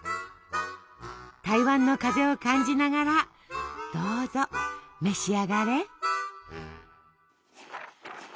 台湾の風を感じながらどうぞ召し上がれ。